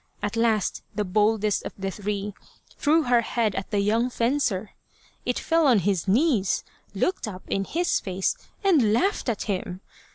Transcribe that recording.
At last the boldest of the three threw her head at the young fencer. It fell on his knees, looked up in his face, and laughed at him.